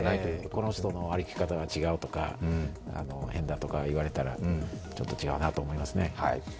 この人の歩き方が違うとか変だとか言われたらちょっと違うなと思いますね。